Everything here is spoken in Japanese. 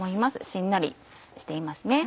しんなりしていますね。